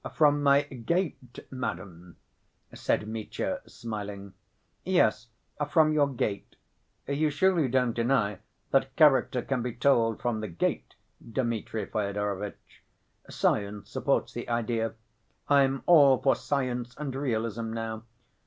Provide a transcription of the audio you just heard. "From my gait, madam?" said Mitya, smiling. "Yes, from your gait. You surely don't deny that character can be told from the gait, Dmitri Fyodorovitch? Science supports the idea. I'm all for science and realism now.